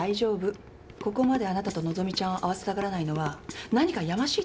ここまであなたと和希ちゃんを会わせたがらないのは何かやましい点があるのよ。